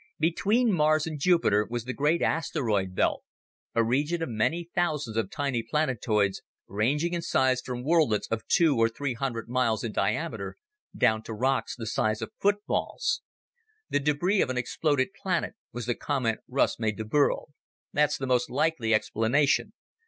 Between Mars and Jupiter was the great asteroid belt, a region of many thousands of tiny planetoids, ranging in size from worldlets of two or three hundred miles in diameter down to rocks the size of footballs. "The debris of an exploded planet," was the comment Russ made to Burl. "That's the most likely explanation.